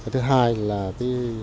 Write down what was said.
thứ hai là cái